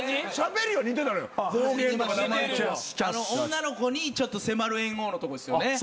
女の子にちょっと迫る猿桜のとこですよね。